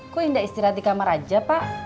kok indah istirahat di kamar aja pak